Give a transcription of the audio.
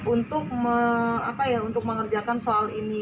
untuk mengerjakan soal ini